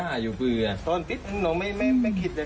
โดยคุณเห็นท่านเธอได้ยินเหมือนกันครับ